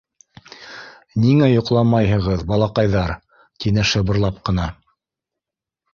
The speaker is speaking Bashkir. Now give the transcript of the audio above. — Ниңә йоҡламайһығыҙ, балаҡайҙар? — тине шыбырлап ҡына.